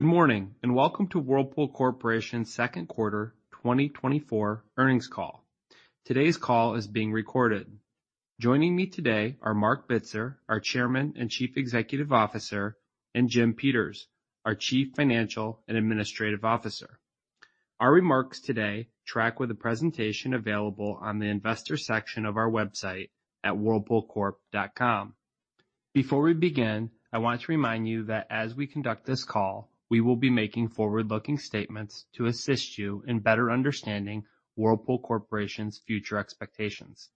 Good morning and welcome to Whirlpool Corporation's Second Quarter 2024 Earnings call. Today's call is being recorded. Joining me today are Marc Bitzer, our Chairman and Chief Executive Officer, and Jim Peters, our Chief Financial and Administrative Officer. Our remarks today track with the presentation available on the investor section of our website at whirlpoolcorp.com. Before we begin, I want to remind you that as we conduct this call, we will be making forward-looking statements to assist you in better understanding Whirlpool Corporation's future expectations.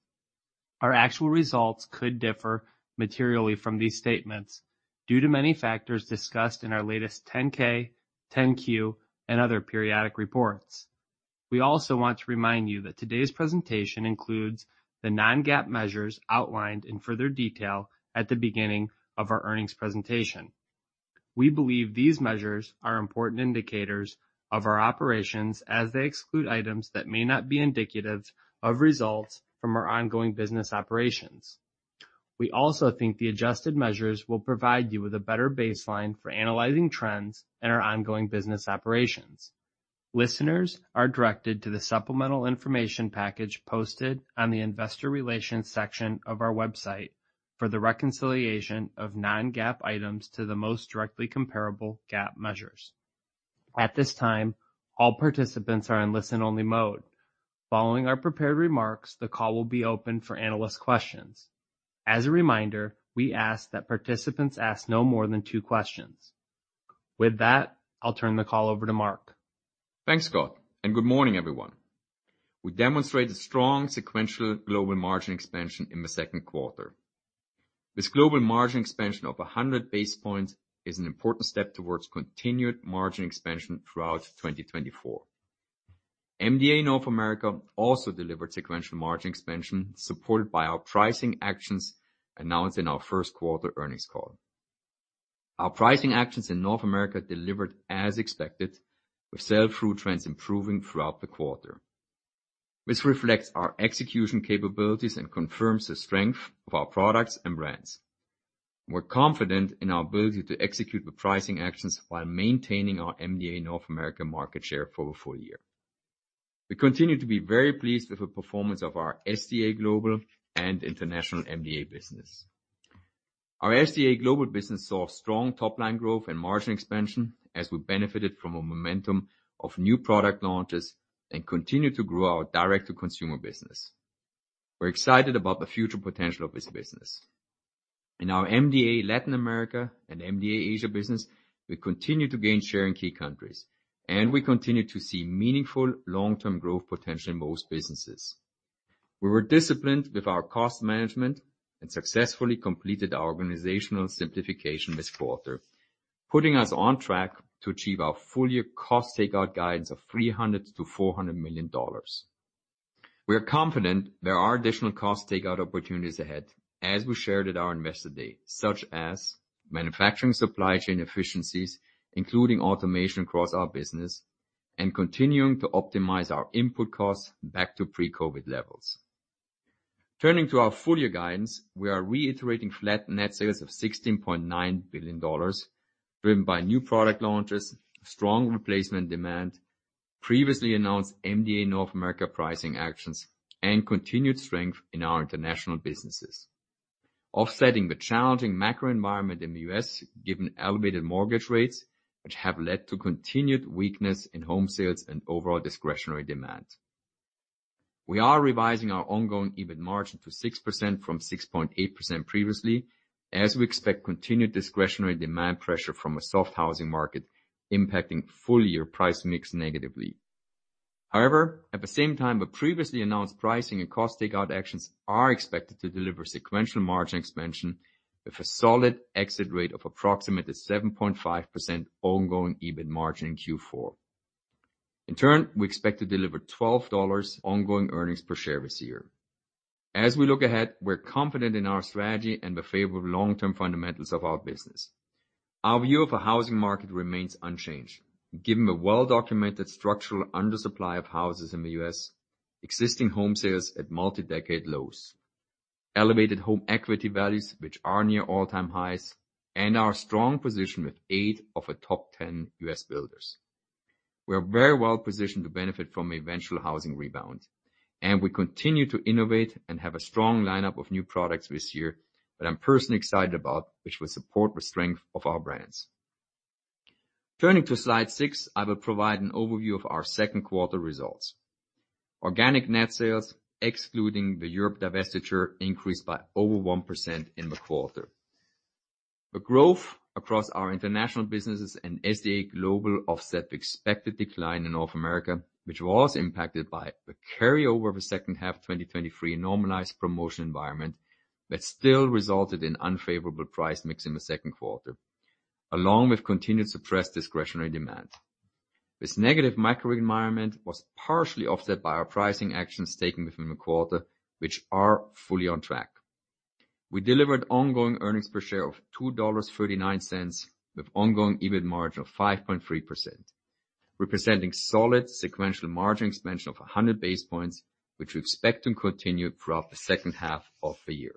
Our actual results could differ materially from these statements due to many factors discussed in our latest 10-K, 10-Q, and other periodic reports. We also want to remind you that today's presentation includes the non-GAAP measures outlined in further detail at the beginning of our earnings presentation. We believe these measures are important indicators of our operations as they exclude items that may not be indicative of results from our ongoing business operations. We also think the adjusted measures will provide you with a better baseline for analyzing trends in our ongoing business operations. Listeners are directed to the supplemental information package posted on the Investor Relations section of our website for the reconciliation of Non-GAAP items to the most directly comparable GAAP measures. At this time, all participants are in listen-only mode. Following our prepared remarks, the call will be open for analyst questions. As a reminder, we ask that participants ask no more than two questions. With that, I'll turn the call over to Marc. Thanks, Scott, and good morning, everyone. We demonstrated strong sequential global margin expansion in the second quarter. This global margin expansion of 100 basis points is an important step towards continued margin expansion throughout 2024. MDA North America also delivered sequential margin expansion supported by our pricing actions announced in our first quarter earnings call. Our pricing actions in North America delivered as expected, with sell-through trends improving throughout the quarter. This reflects our execution capabilities and confirms the strength of our products and brands. We're confident in our ability to execute the pricing actions while maintaining our MDA North America market share for the full year. We continue to be very pleased with the performance of our SDA Global and international MDA business. Our SDA Global business saw strong top-line growth and margin expansion as we benefited from a momentum of new product launches and continue to grow our direct-to-consumer business. We're excited about the future potential of this business. In our MDA Latin America and MDA Asia business, we continue to gain share in key countries, and we continue to see meaningful long-term growth potential in most businesses. We were disciplined with our cost management and successfully completed our organizational simplification this quarter, putting us on track to achieve our full-year cost takeout guidance of $300 million-$400 million. We are confident there are additional cost takeout opportunities ahead, as we shared at our Investor Day, such as manufacturing supply chain efficiencies, including automation across our business, and continuing to optimize our input costs back to pre-COVID levels. Turning to our full-year guidance, we are reiterating flat net sales of $16.9 billion, driven by new product launches, strong replacement demand, previously announced MDA North America pricing actions, and continued strength in our international businesses, offsetting the challenging macro environment in the U.S. given elevated mortgage rates, which have led to continued weakness in home sales and overall discretionary demand. We are revising our ongoing EBIT margin to 6% from 6.8% previously, as we expect continued discretionary demand pressure from a soft housing market impacting full-year price mix negatively. However, at the same time, the previously announced pricing and cost takeout actions are expected to deliver sequential margin expansion with a solid exit rate of approximately 7.5% ongoing EBIT margin in Q4. In turn, we expect to deliver $12 ongoing earnings per share this year. As we look ahead, we're confident in our strategy and the favorable long-term fundamentals of our business. Our view of the housing market remains unchanged, given the well-documented structural undersupply of houses in the U.S., existing home sales at multi-decade lows, elevated home equity values, which are near all-time highs, and our strong position with eight of the top 10 U.S. builders. We are very well positioned to benefit from eventual housing rebound, and we continue to innovate and have a strong lineup of new products this year that I'm personally excited about, which will support the strength of our brands. Turning to Slide 6, I will provide an overview of our second quarter results. Organic net sales, excluding the Europe divestiture, increased by over 1% in the quarter. The growth across our international businesses and SDA Global offset the expected decline in North America, which was impacted by the carryover of the second half of 2023 normalized promotion environment that still resulted in unfavorable price mix in the second quarter, along with continued suppressed discretionary demand. This negative macro environment was partially offset by our pricing actions taken within the quarter, which are fully on track. We delivered ongoing earnings per share of $2.39 with ongoing EBIT margin of 5.3%, representing solid sequential margin expansion of 100 basis points, which we expect to continue throughout the second half of the year.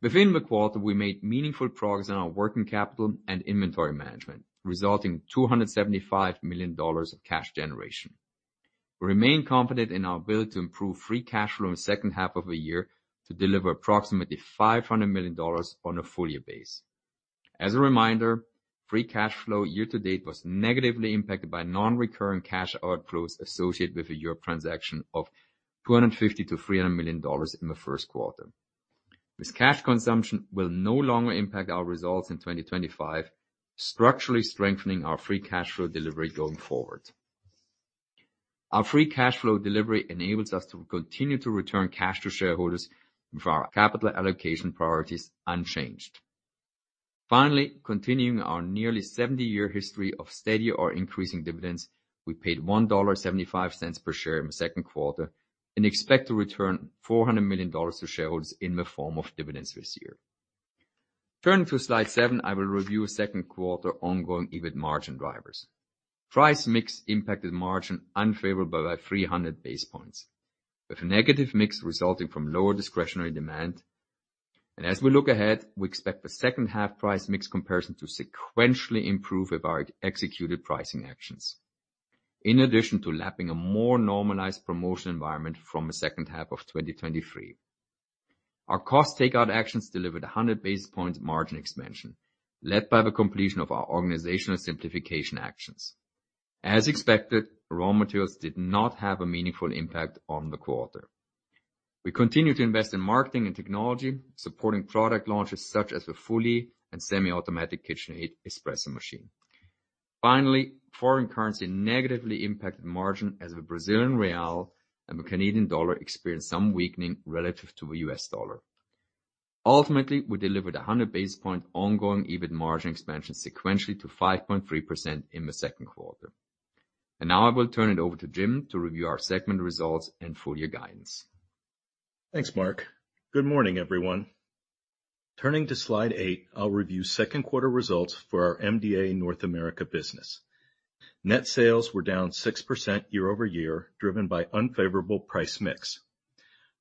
Within the quarter, we made meaningful progress on our working capital and inventory management, resulting in $275 million of cash generation. We remain confident in our ability to improve free cash flow in the second half of the year to deliver approximately $500 million on a full-year base. As a reminder, free cash flow year-to-date was negatively impacted by non-recurring cash outflows associated with a Europe transaction of $250-$300 million in the first quarter. This cash consumption will no longer impact our results in 2025, structurally strengthening our free cash flow delivery going forward. Our free cash flow delivery enables us to continue to return cash to shareholders with our capital allocation priorities unchanged. Finally, continuing our nearly 70-year history of steady or increasing dividends, we paid $1.75 per share in the second quarter and expect to return $400 million to shareholders in the form of dividends this year. Turning to Slide 7, I will review second quarter ongoing EBIT margin drivers. Price mix impacted margin unfavorably by 300 basis points, with a negative mix resulting from lower discretionary demand. As we look ahead, we expect the second half price mix comparison to sequentially improve with our executed pricing actions, in addition to lapping a more normalized promotion environment from the second half of 2023. Our cost takeout actions delivered 100 basis points margin expansion, led by the completion of our organizational simplification actions. As expected, raw materials did not have a meaningful impact on the quarter. We continue to invest in marketing and technology, supporting product launches such as the fully and semi-automatic KitchenAid espresso machine. Finally, foreign currency negatively impacted margin as the Brazilian real and the Canadian dollar experienced some weakening relative to the U.S. dollar. Ultimately, we delivered 100 basis point ongoing EBIT margin expansion sequentially to 5.3% in the second quarter. Now I will turn it over to Jim to review our segment results and full-year guidance. Thanks, Marc. Good morning, everyone. Turning to Slide 8, I'll review second quarter results for our MDA North America business. Net sales were down 6% year-over-year, driven by unfavorable price mix.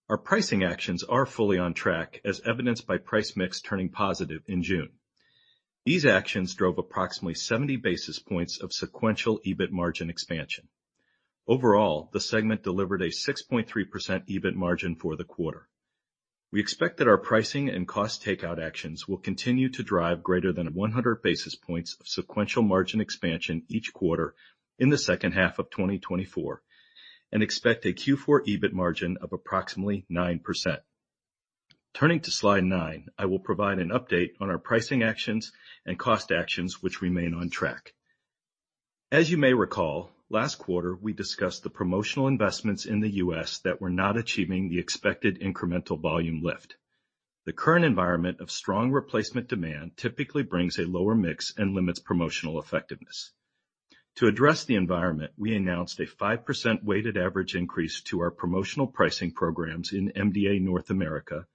Our pricing actions are fully on track, as evidenced by price mix turning positive in June. These actions drove approximately 70 basis points of sequential EBIT margin expansion. Overall, the segment delivered a 6.3% EBIT margin for the quarter. We expect that our pricing and cost takeout actions will continue to drive greater than 100 basis points of sequential margin expansion each quarter in the second half of 2024 and expect a Q4 EBIT margin of approximately 9%. Turning to Slide 9, I will provide an update on our pricing actions and cost actions, which remain on track. As you may recall, last quarter, we discussed the promotional investments in the U.S. that were not achieving the expected incremental volume lift. The current environment of strong replacement demand typically brings a lower mix and limits promotional effectiveness. To address the environment, we announced a 5% weighted average increase to our promotional pricing programs in MDA North America,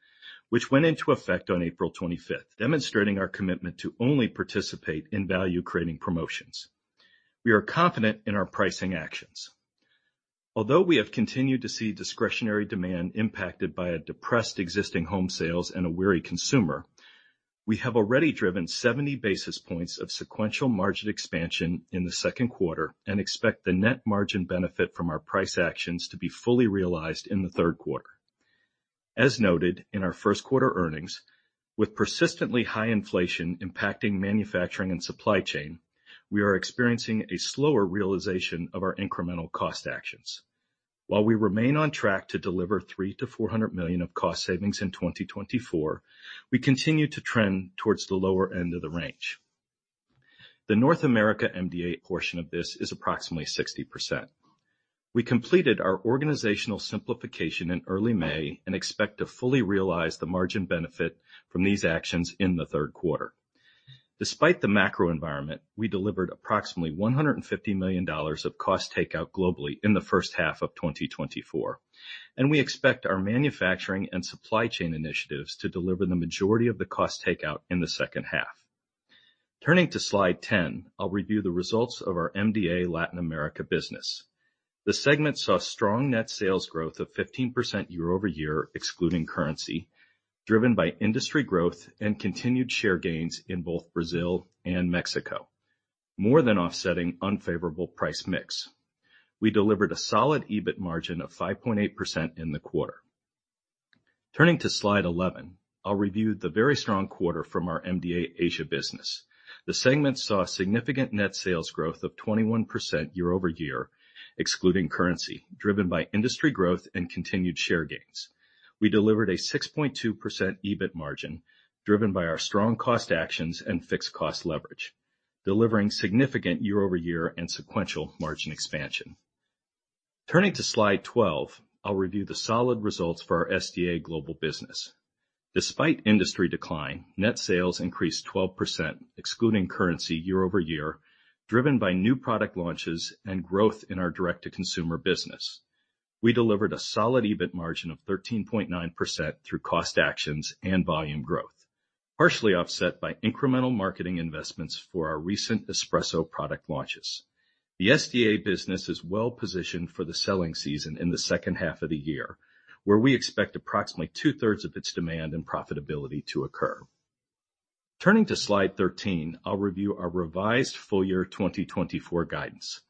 which went into effect on April 25th, demonstrating our commitment to only participate in value-creating promotions. We are confident in our pricing actions. Although we have continued to see discretionary demand impacted by a depressed existing home sales and a weary consumer, we have already driven 70 basis points of sequential margin expansion in the second quarter and expect the net margin benefit from our price actions to be fully realized in the third quarter. As noted in our first quarter earnings, with persistently high inflation impacting manufacturing and supply chain, we are experiencing a slower realization of our incremental cost actions. While we remain on track to deliver $300 million-$400 million of cost savings in 2024, we continue to trend towards the lower end of the range. The North America MDA portion of this is approximately 60%. We completed our organizational simplification in early May and expect to fully realize the margin benefit from these actions in the third quarter. Despite the macro environment, we delivered approximately $150 million of cost takeout globally in the first half of 2024, and we expect our manufacturing and supply chain initiatives to deliver the majority of the cost takeout in the second half. Turning to Slide 10, I'll review the results of our MDA Latin America business. The segment saw strong net sales growth of 15% year-over-year, excluding currency, driven by industry growth and continued share gains in both Brazil and Mexico, more than offsetting unfavorable price mix. We delivered a solid EBIT margin of 5.8% in the quarter. Turning to Slide 11, I'll review the very strong quarter from our MDA Asia business. The segment saw significant net sales growth of 21% year-over-year, excluding currency, driven by industry growth and continued share gains. We delivered a 6.2% EBIT margin, driven by our strong cost actions and fixed cost leverage, delivering significant year-over-year and sequential margin expansion. Turning to Slide 12, I'll review the solid results for our SDA Global business. Despite industry decline, net sales increased 12%, excluding currency, year-over-year, driven by new product launches and growth in our direct-to-consumer business. We delivered a solid EBIT margin of 13.9% through cost actions and volume growth, partially offset by incremental marketing investments for our recent espresso product launches. The SDA business is well positioned for the selling season in the second half of the year, where we expect approximately two-thirds of its demand and profitability to occur. Turning to Slide 13, I'll review our revised full-year 2024 guidance.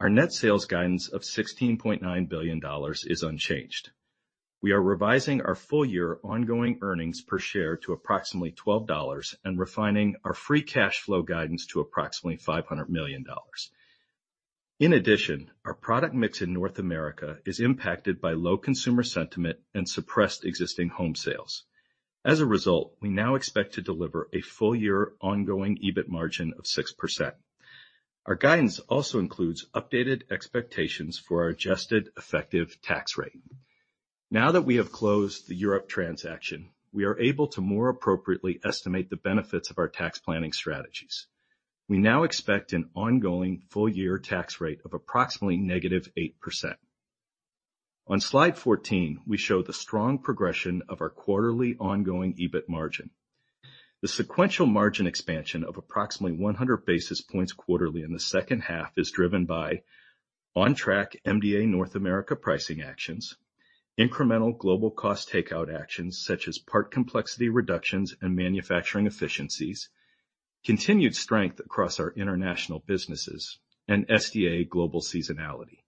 Our net sales guidance of $16.9 billion is unchanged. We are revising our full-year ongoing earnings per share to approximately $12 and refining our free cash flow guidance to approximately $500 million. In addition, our product mix in North America is impacted by low consumer sentiment and suppressed existing home sales. As a result, we now expect to deliver a full-year ongoing EBIT margin of 6%. Our guidance also includes updated expectations for our adjusted effective tax rate. Now that we have closed the Europe transaction, we are able to more appropriately estimate the benefits of our tax planning strategies. We now expect an ongoing full-year tax rate of approximately -8%. On Slide 14, we show the strong progression of our quarterly ongoing EBIT margin. The sequential margin expansion of approximately 100 basis points quarterly in the second half is driven by on track MDA North America pricing actions, incremental global cost takeout actions such as part complexity reductions and manufacturing efficiencies, continued strength across our international businesses, and SDA Global seasonality.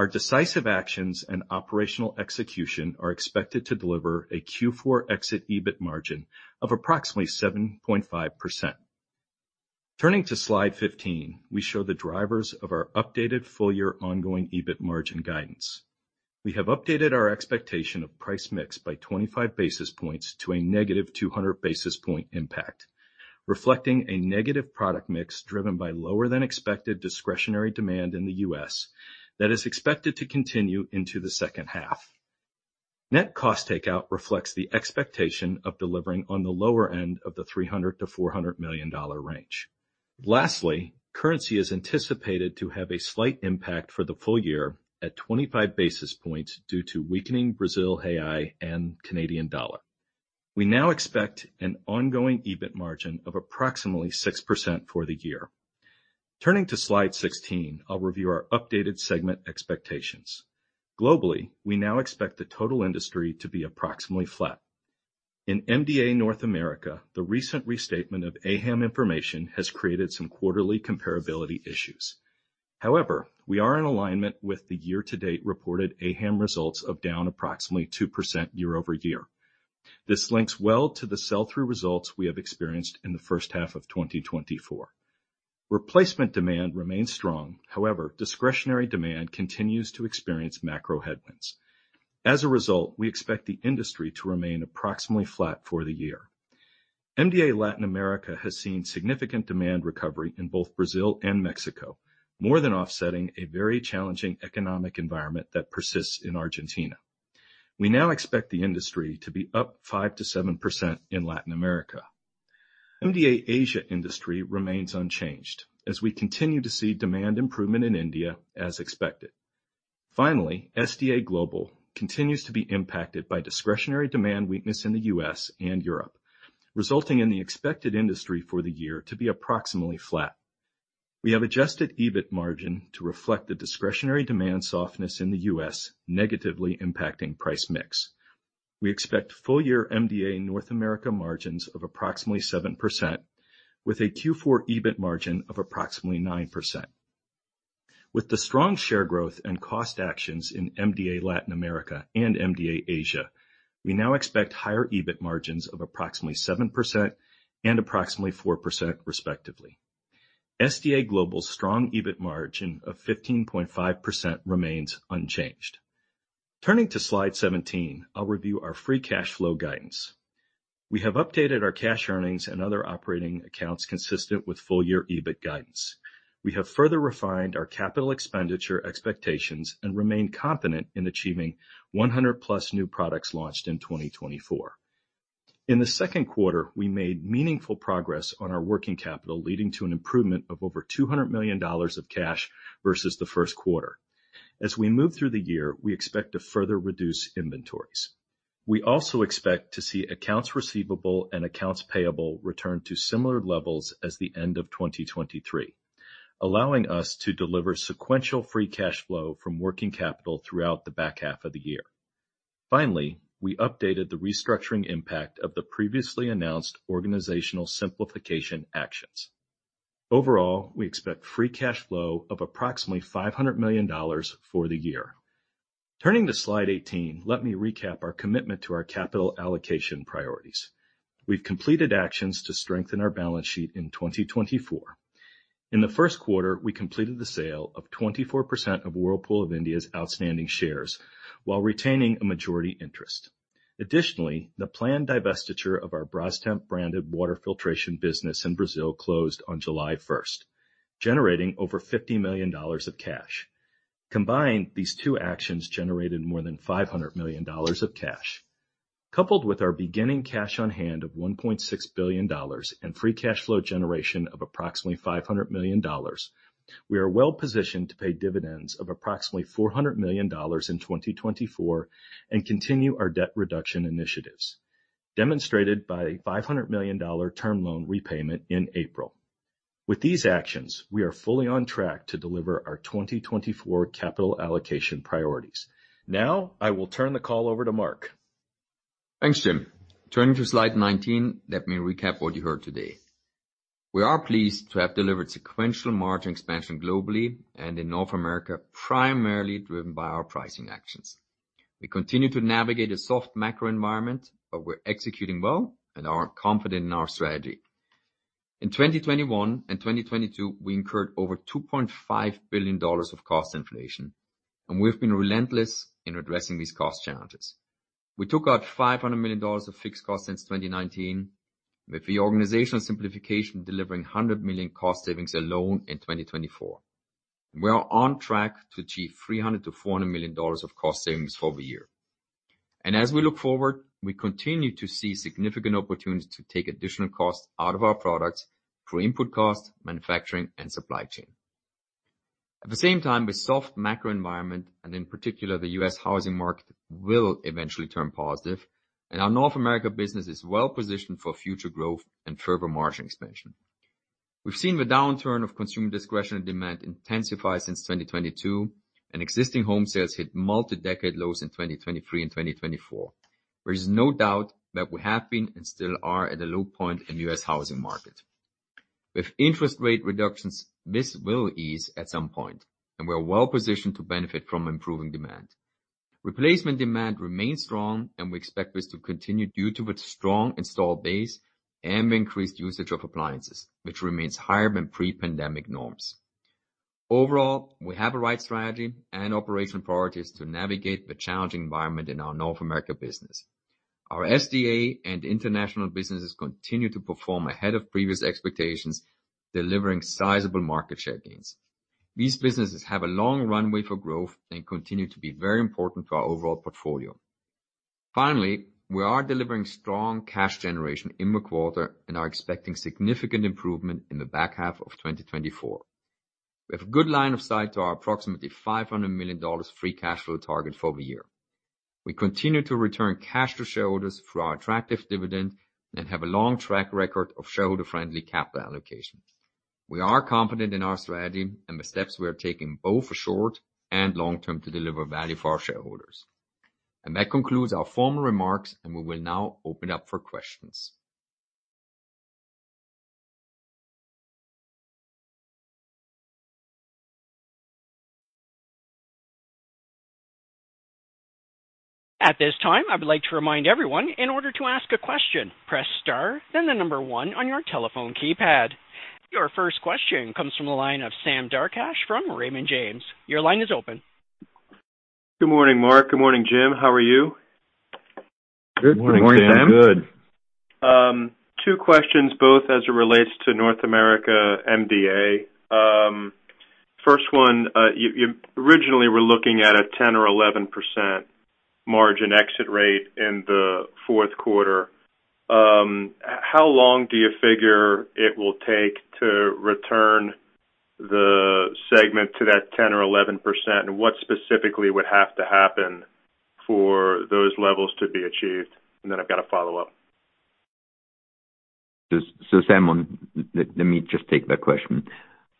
Our decisive actions and operational execution are expected to deliver a Q4 exit EBIT margin of approximately 7.5%. Turning to Slide 15, we show the drivers of our updated full-year ongoing EBIT margin guidance. We have updated our expectation of price mix by 25 basis points to a negative 200 basis point impact, reflecting a negative product mix driven by lower than expected discretionary demand in the U.S. that is expected to continue into the second half. Net cost takeout reflects the expectation of delivering on the lower end of the $300 million-$400 million range. Lastly, currency is anticipated to have a slight impact for the full year at 25 basis points due to weakening Brazilian real and Canadian dollar. We now expect an ongoing EBIT margin of approximately 6% for the year. Turning to Slide 16, I'll review our updated segment expectations. Globally, we now expect the total industry to be approximately flat. In MDA North America, the recent restatement of AHAM information has created some quarterly comparability issues. However, we are in alignment with the year-to-date reported AHAM results of down approximately 2% year-over-year. This links well to the sell-through results we have experienced in the first half of 2024. Replacement demand remains strong, however, discretionary demand continues to experience macro headwinds. As a result, we expect the industry to remain approximately flat for the year. MDA Latin America has seen significant demand recovery in both Brazil and Mexico, more than offsetting a very challenging economic environment that persists in Argentina. We now expect the industry to be up 5%-7% in Latin America. MDA Asia industry remains unchanged as we continue to see demand improvement in India as expected. Finally, SDA Global continues to be impacted by discretionary demand weakness in the U.S. and Europe, resulting in the expected industry for the year to be approximately flat. We have adjusted EBIT margin to reflect the discretionary demand softness in the U.S. negatively impacting price mix. We expect full-year MDA North America margins of approximately 7%, with a Q4 EBIT margin of approximately 9%. With the strong share growth and cost actions in MDA Latin America and MDA Asia, we now expect higher EBIT margins of approximately 7% and approximately 4%, respectively. SDA Global's strong EBIT margin of 15.5% remains unchanged. Turning to Slide 17, I'll review our free cash flow guidance. We have updated our cash earnings and other operating accounts consistent with full-year EBIT guidance. We have further refined our capital expenditure expectations and remained confident in achieving 100+ new products launched in 2024. In the second quarter, we made meaningful progress on our working capital, leading to an improvement of over $200 million of cash versus the first quarter. As we move through the year, we expect to further reduce inventories. We also expect to see accounts receivable and accounts payable return to similar levels as the end of 2023, allowing us to deliver sequential free cash flow from working capital throughout the back half of the year. Finally, we updated the restructuring impact of the previously announced organizational simplification actions. Overall, we expect free cash flow of approximately $500 million for the year. Turning to Slide 18, let me recap our commitment to our capital allocation priorities. We've completed actions to strengthen our balance sheet in 2024. In the first quarter, we completed the sale of 24% of Whirlpool of India's outstanding shares while retaining a majority interest. Additionally, the planned divestiture of our Brastemp-branded water filtration business in Brazil closed on July 1st, generating over $50 million of cash. Combined, these two actions generated more than $500 million of cash. Coupled with our beginning cash on hand of $1.6 billion and free cash flow generation of approximately $500 million, we are well positioned to pay dividends of approximately $400 million in 2024 and continue our debt reduction initiatives, demonstrated by a $500 million term loan repayment in April. With these actions, we are fully on track to deliver our 2024 capital allocation priorities. Now, I will turn the call over to Marc. Thanks, Jim. Turning to Slide 19, let me recap what you heard today. We are pleased to have delivered sequential margin expansion globally and in North America, primarily driven by our pricing actions. We continue to navigate a soft macro environment, but we're executing well and are confident in our strategy. In 2021 and 2022, we incurred over $2.5 billion of cost inflation, and we've been relentless in addressing these cost challenges. We took out $500 million of fixed costs since 2019, with the organizational simplification delivering $100 million cost savings alone in 2024. We are on track to achieve $300 million-$400 million of cost savings for the year. And as we look forward, we continue to see significant opportunities to take additional costs out of our products through input costs, manufacturing, and supply chain. At the same time, the soft macro environment, and in particular the U.S. housing market, will eventually turn positive, and our North America business is well positioned for future growth and further margin expansion. We've seen the downturn of consumer discretionary demand intensify since 2022, and existing home sales hit multi-decade lows in 2023 and 2024. There is no doubt that we have been and still are at a low point in the U.S. housing market. With interest rate reductions, this will ease at some point, and we are well positioned to benefit from improving demand. Replacement demand remains strong, and we expect this to continue due to its strong installed base and increased usage of appliances, which remains higher than pre-pandemic norms. Overall, we have the right strategy and operational priorities to navigate the challenging environment in our North America business. Our SDA and international businesses continue to perform ahead of previous expectations, delivering sizable market share gains. These businesses have a long runway for growth and continue to be very important to our overall portfolio. Finally, we are delivering strong cash generation in the quarter and are expecting significant improvement in the back half of 2024. We have a good line of sight to our approximately $500 million free cash flow target for the year. We continue to return cash to shareholders through our attractive dividend and have a long track record of shareholder-friendly capital allocation. We are confident in our strategy and the steps we are taking both short and long term to deliver value for our shareholders. That concludes our formal remarks, and we will now open up for questions. At this time, I'd like to remind everyone, in order to ask a question, press star, then the number one on your telephone keypad. Your first question comes from the line of Sam Darkatsh from Raymond James. Your line is open. Good morning, Marc. Good morning, Jim. How are you? Good morning, Sam. Good morning, Sam. Good. Two questions, both as it relates to North America MDA. First one, originally, we're looking at a 10% or 11% margin exit rate in the fourth quarter. How long do you figure it will take to return the segment to that 10% or 11%, and what specifically would have to happen for those levels to be achieved? And then I've got a follow-up. So, Sam, let me just take that question.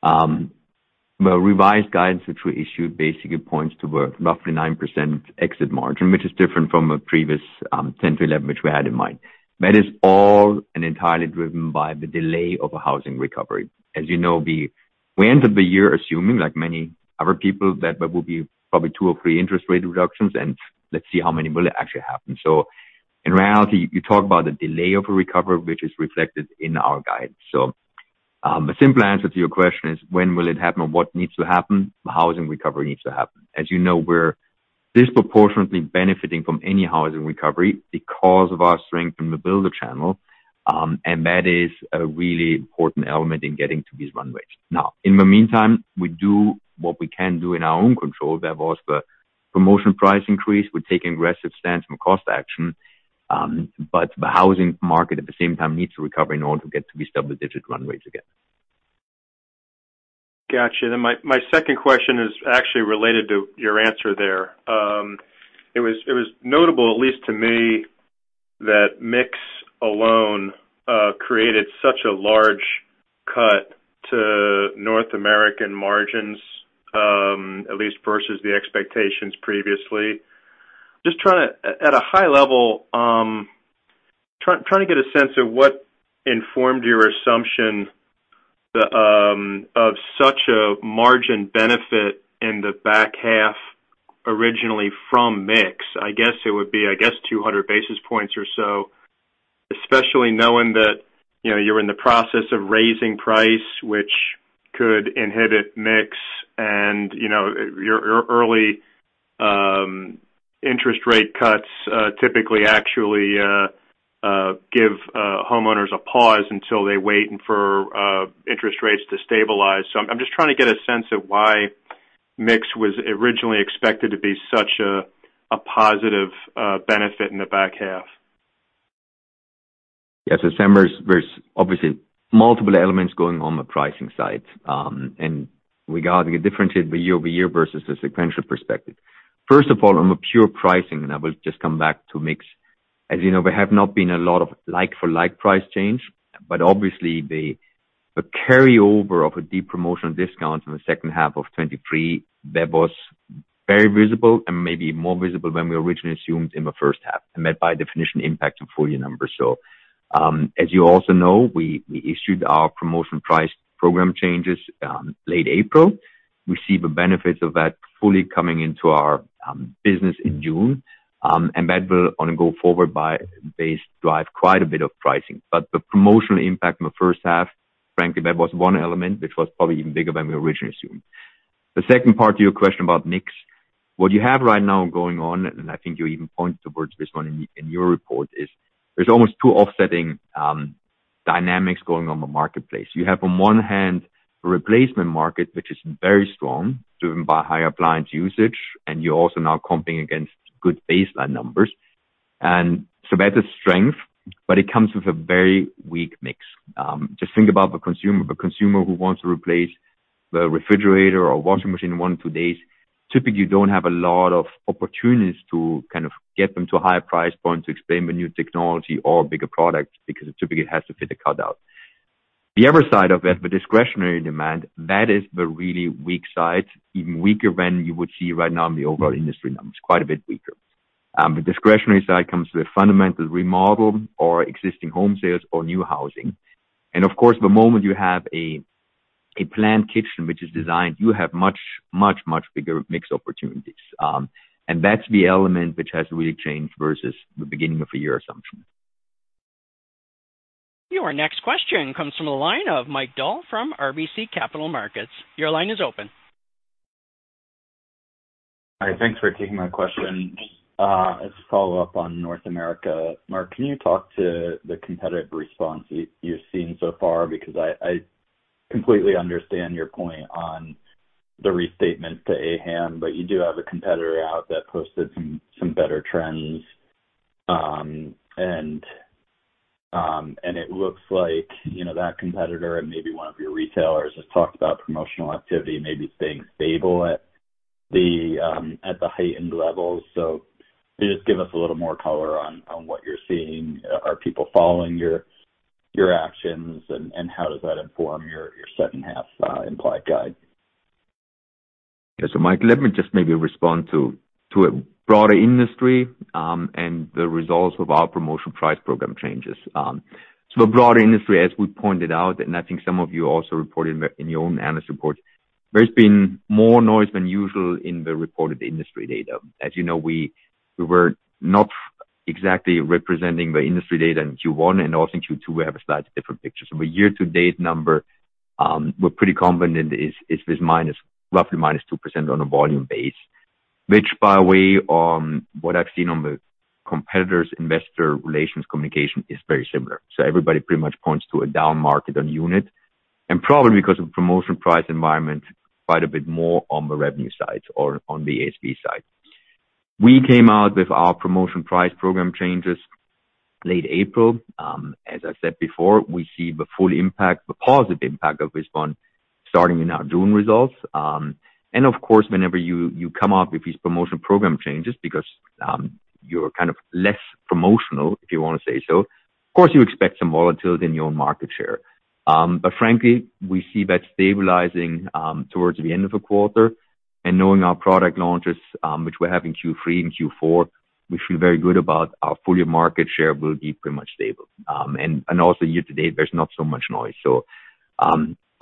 The revised guidance, which we issued, basically points to a roughly 9% exit margin, which is different from a previous 10%-11%, which we had in mind. That is all and entirely driven by the delay of a housing recovery. As you know, we ended the year assuming, like many other people, that there will be probably two or three interest rate reductions, and let's see how many will actually happen. So, in reality, you talk about the delay of a recovery, which is reflected in our guidance. So, the simple answer to your question is, when will it happen? What needs to happen? The housing recovery needs to happen. As you know, we're disproportionately benefiting from any housing recovery because of our strength in the builder channel, and that is a really important element in getting to these runways. Now, in the meantime, we do what we can do in our own control. There was the promotion price increase. We're taking aggressive stance on cost action, but the housing market, at the same time, needs to recover in order to get to these double-digit runways again. Gotcha. Then my second question is actually related to your answer there. It was notable, at least to me, that mix alone created such a large cut to North American margins, at least versus the expectations previously. Just trying to, at a high level, trying to get a sense of what informed your assumption of such a margin benefit in the back half originally from mix. I guess it would be, I guess, 200 basis points or so, especially knowing that you're in the process of raising price, which could inhibit mix, and your early interest rate cuts typically actually give homeowners a pause until they wait for interest rates to stabilize. So I'm just trying to get a sense of why mix was originally expected to be such a positive benefit in the back half. Yes, as Sam, there's obviously multiple elements going on the pricing side and regarding the difference year-over-year versus the sequential perspective. First of all, on the pure pricing, and I will just come back to mix, as you know, there have not been a lot of like-for-like price change, but obviously, the carryover of a deep promotional discount in the second half of 2023, that was very visible and maybe more visible than we originally assumed in the first half, and that, by definition, impacted full-year numbers. So, as you also know, we issued our promotion price program changes late April. We see the benefits of that fully coming into our business in June, and that will, on a go-forward base, drive quite a bit of pricing. But the promotional impact in the first half, frankly, that was one element, which was probably even bigger than we originally assumed. The second part to your question about mix, what you have right now going on, and I think you even pointed towards this one in your report, is there's almost two offsetting dynamics going on the marketplace. You have, on one hand, the replacement market, which is very strong, driven by high appliance usage, and you're also now comping against good baseline numbers. And so that's a strength, but it comes with a very weak mix. Just think about the consumer. The consumer who wants to replace the refrigerator or washing machine in one or two days, typically, you don't have a lot of opportunities to kind of get them to a higher price point to explain the new technology or bigger products because it typically has to fit the cut-out. The other side of it, the discretionary demand, that is the really weak side, even weaker than you would see right now in the overall industry numbers, quite a bit weaker. The discretionary side comes with fundamental remodel or existing home sales or new housing. Of course, the moment you have a planned kitchen, which is designed, you have much, much, much bigger mix opportunities. That's the element which has really changed versus the beginning of the year assumption. Your next question comes from the line of Mike Dahl from RBC Capital Markets. Your line is open. Hi. Thanks for taking my question. Just as a follow-up on North America, Marc, can you talk to the competitive response you've seen so far? Because I completely understand your point on the restatement to AHAM, but you do have a competitor out that posted some better trends, and it looks like that competitor and maybe one of your retailers has talked about promotional activity maybe staying stable at the heightened levels. So just give us a little more color on what you're seeing. Are people following your actions, and how does that inform your second-half implied guide? Yeah. So, Marc, let me just maybe respond to a broader industry and the results of our promotion price program changes. So the broader industry, as we pointed out, and I think some of you also reported in your own analyst report, there's been more noise than usual in the reported industry data. As you know, we were not exactly representing the industry data in Q1, and also in Q2, we have a slightly different picture. So the year-to-date number, we're pretty confident it's minus roughly minus 2% on a volume base, which, by the way, what I've seen on the competitor's investor relations communication is very similar. So everybody pretty much points to a down market on unit, and probably because of the promotion price environment, quite a bit more on the revenue side or on the ASB side. We came out with our promotion price program changes late April. As I said before, we see the full impact, the positive impact of this one starting in our June results. Of course, whenever you come out with these promotion program changes, because you're kind of less promotional, if you want to say so, of course, you expect some volatility in your own market share. Frankly, we see that stabilizing towards the end of the quarter. Knowing our product launches, which we're having Q3 and Q4, we feel very good about our full-year market share will be pretty much stable. Also, year-to-date, there's not so much noise.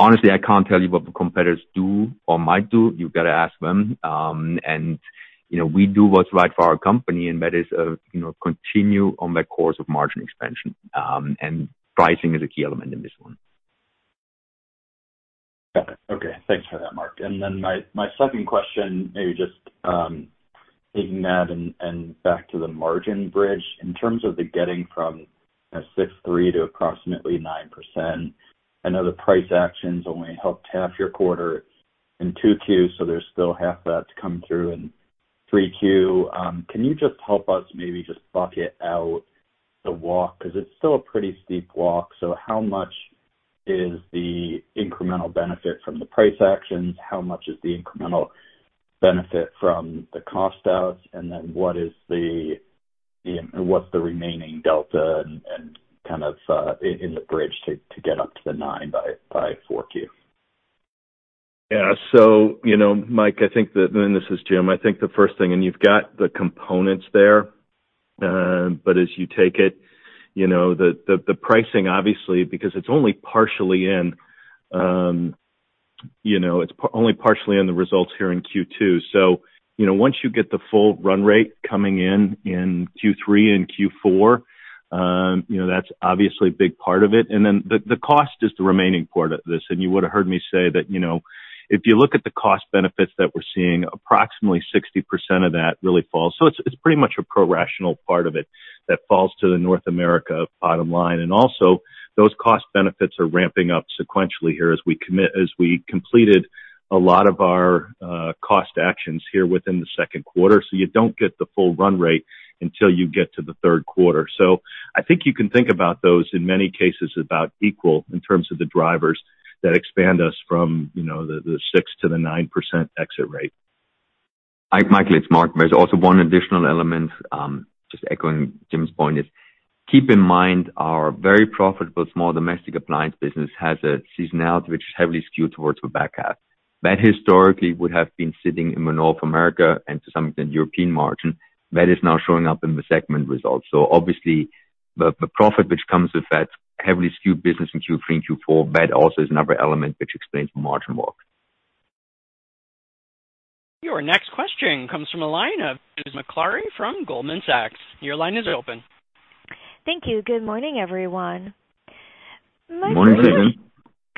Honestly, I can't tell you what the competitors do or might do. You've got to ask them. We do what's right for our company, and that is continue on that course of margin expansion. Pricing is a key element in this one. Okay. Thanks for that, Marc. And then my second question, maybe just taking that and back to the margin bridge, in terms of the getting from a 6.3% to approximately 9%, I know the price actions only helped half your quarter in Q2, so there's still half of that to come through in Q3. Can you just help us maybe just bucket out the walk? Because it's still a pretty steep walk. So how much is the incremental benefit from the price actions? How much is the incremental benefit from the cost outs? And then what's the remaining delta and kind of in the bridge to get up to the 9% by Q4? Yeah. So, Marc, I think that, and this is Jim, I think the first thing, and you've got the components there, but as you take it, the pricing, obviously, because it's only partially in, it's only partially in the results here in Q2. So once you get the full run rate coming in in Q3 and Q4, that's obviously a big part of it. And then the cost is the remaining part of this. And you would have heard me say that if you look at the cost benefits that we're seeing, approximately 60% of that really falls. So it's pretty much a pro-rata part of it that falls to the North America bottom line. And also, those cost benefits are ramping up sequentially here as we completed a lot of our cost actions here within the second quarter. You don't get the full run rate until you get to the third quarter. I think you can think about those in many cases about equal in terms of the drivers that expand us from the 6% to the 9% exit rate. Likewise, Marc. There's also one additional element, just echoing Jim's point, is keep in mind our very profitable small domestic appliance business has a seasonality, which is heavily skewed towards the back half. That historically would have been sitting in North America and, to some extent, European margin. That is now showing up in the segment results. So obviously, the profit which comes with that heavily skewed business in Q3 and Q4, that also is another element which explains the margin walk. Your next question comes from line of Susan Maklari from Goldman Sachs. Your line is open. Thank you. Good morning, everyone. Morning, Sam.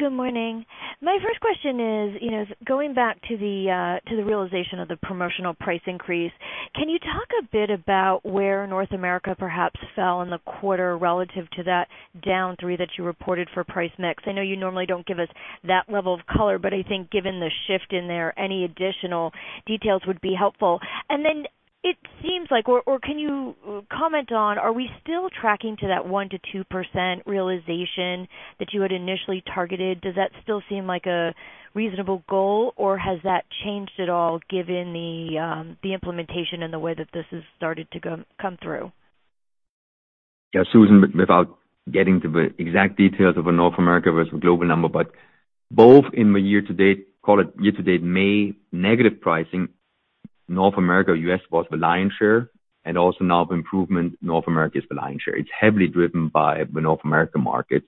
Good morning. My first question is, going back to the realization of the promotional price increase, can you talk a bit about where North America perhaps fell in the quarter relative to that down 3 that you reported for price mix? I know you normally don't give us that level of color, but I think given the shift in there, any additional details would be helpful. And then it seems like, or can you comment on, are we still tracking to that 1%-2% realization that you had initially targeted? Does that still seem like a reasonable goal, or has that changed at all given the implementation and the way that this has started to come through? Yeah. Susan Maklari, getting to the exact details of a North America versus a global number, but both in the year-to-date, call it year-to-date May negative pricing, North America US was the lion's share, and also now the improvement, North America is the lion's share. It's heavily driven by the North America market.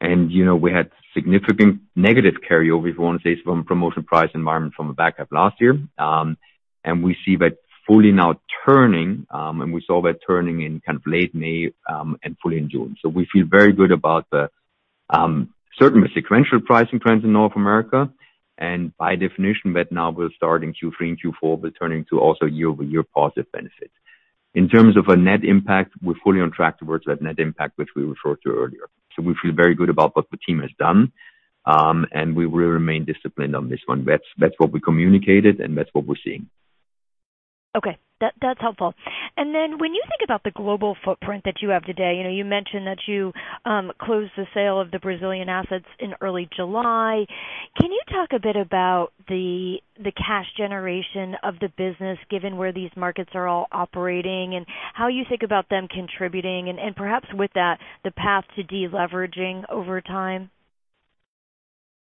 And we had significant negative carryover, if you want to say, from promotion price environment from the back half last year. And we see that fully now turning, and we saw that turning in kind of late May and fully in June. So we feel very good about certainly the sequential pricing trends in North America. And by definition, that now will start in Q3 and Q4, will turn into also year-over-year positive benefits. In terms of a net impact, we're fully on track towards that net impact, which we referred to earlier. We feel very good about what the team has done, and we will remain disciplined on this one. That's what we communicated, and that's what we're seeing. Okay. That's helpful. And then when you think about the global footprint that you have today, you mentioned that you closed the sale of the Brazilian assets in early July. Can you talk a bit about the cash generation of the business, given where these markets are all operating, and how you think about them contributing, and perhaps with that, the path to deleveraging over time?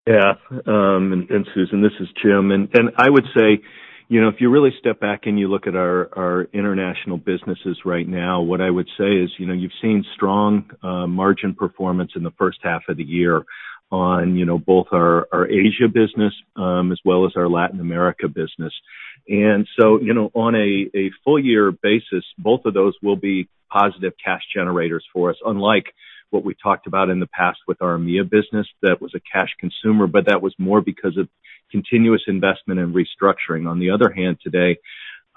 Yeah. And Susan, this is Jim. And I would say, if you really step back and you look at our international businesses right now, what I would say is you've seen strong margin performance in the first half of the year on both our Asia business as well as our Latin America business. And so on a full-year basis, both of those will be positive cash generators for us, unlike what we talked about in the past with our EMEA business that was a cash consumer, but that was more because of continuous investment and restructuring. On the other hand, today,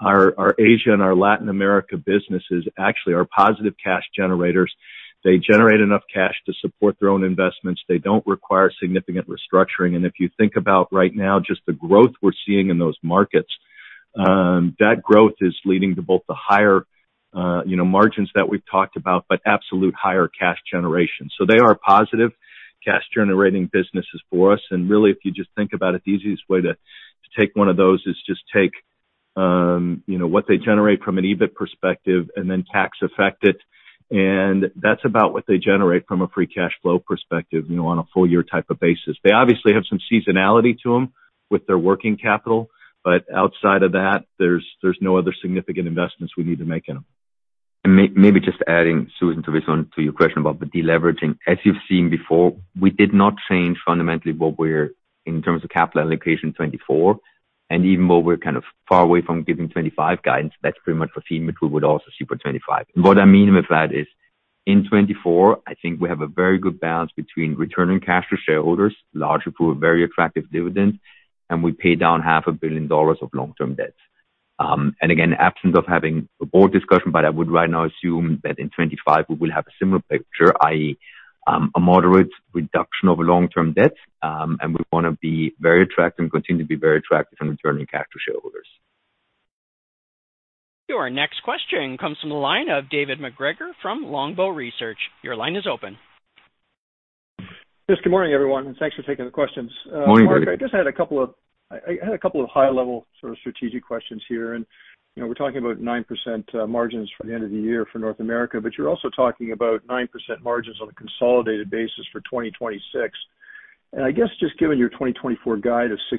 our Asia and our Latin America businesses actually are positive cash generators. They generate enough cash to support their own investments. They don't require significant restructuring. If you think about right now, just the growth we're seeing in those markets, that growth is leading to both the higher margins that we've talked about, but absolute higher cash generation. They are positive cash-generating businesses for us. Really, if you just think about it, the easiest way to take one of those is just take what they generate from an EBIT perspective and then tax-affect it. That's about what they generate from a free cash flow perspective on a full-year type of basis. They obviously have some seasonality to them with their working capital, but outside of that, there's no other significant investments we need to make in them. Maybe just adding, Susan, to this one, to your question about the deleveraging, as you've seen before, we did not change fundamentally what we're in terms of capital allocation 2024. Even though we're kind of far away from giving 2025 guidance, that's pretty much the theme that we would also see for 2025. What I mean with that is, in 2024, I think we have a very good balance between returning cash to shareholders, largely through a very attractive dividend, and we pay down $500 million of long-term debt. Again, absent of having a board discussion, but I would right now assume that in 2025, we will have a similar picture, i.e., a moderate reduction of long-term debt, and we want to be very attractive and continue to be very attractive in returning cash to shareholders. Your next question comes from the line of David MacGregor from Longbow Research. Your line is open. Yes. Good morning, everyone, and thanks for taking the questions. Morning, David. I just had a couple of high-level sort of strategic questions here. And we're talking about 9% margins for the end of the year for North America, but you're also talking about 9% margins on a consolidated basis for 2026. And I guess just given your 2024 guide of 6%,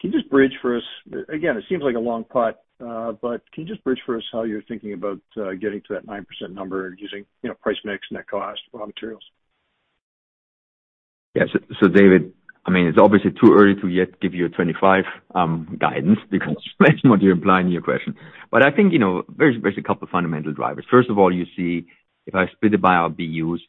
can you just bridge for us? Again, it seems like a long putt, but can you just bridge for us how you're thinking about getting to that 9% number using price mix and that cost raw materials? Yeah. So David, I mean, it's obviously too early to yet give you a 2025 guidance because that's what you're implying in your question. But I think there's a couple of fundamental drivers. First of all, you see, if I split it by our BUs,